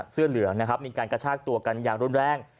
เสื้อเหลืองนะครับมีการกระชากตัวกันอย่างรุนแรง